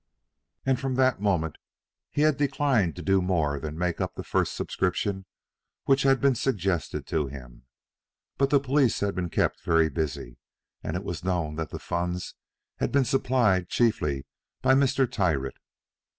And from that moment he had declined to do more than make up the first subscription which had been suggested to him. But the police had been kept very busy, and it was known that the funds had been supplied chiefly by Mr. Tyrrwhit.